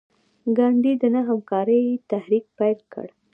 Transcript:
ګاندي د نه همکارۍ تحریک پیل کړ.